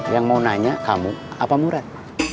yang mau nanya kamu apa murad